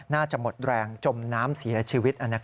น่าจะหมดแรงจมน้ำเสียชีวิต